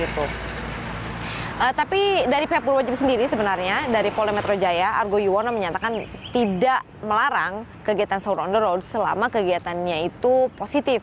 tapi dari pihak purwajib sendiri sebenarnya dari polda metro jaya argo yuwono menyatakan tidak melarang kegiatan sahur on the road selama kegiatannya itu positif